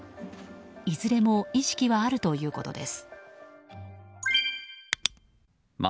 いずれも意識はあるということです。